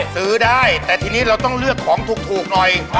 ซื้อได้แต่ทีนี้เราต้องเลือกของถูกหน่อย